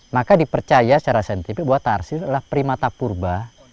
maka dipercaya secara sentipik bahwa tarsius adalah primata purba